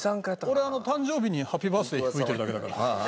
俺誕生日に『ハッピーバースデー』吹いてるだけだから。